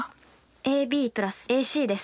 ＡＢ＋ＡＣです。